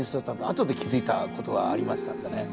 後で気付いたことがありましたんでね。